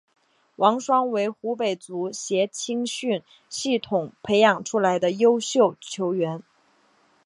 王霜为湖北足协青训系统培养出来的优秀球员。